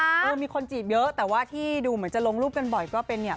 เออมีคนจีบเยอะแต่ว่าที่ดูเหมือนจะลงรูปกันบ่อยก็เป็นเนี่ย